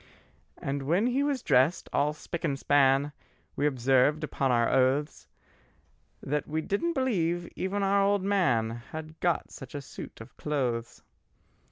And when he was drest, all spick and span, We observed upon our oaths That we didn't believe even our old man Had got such a suit of clothes.